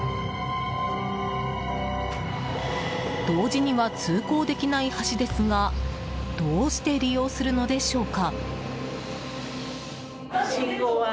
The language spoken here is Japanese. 同時には通行できない橋ですがどうして利用するのでしょうか。